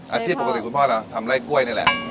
อาชีพปกติคุณพ่อจะทำไล่กล้วยนี่แหละ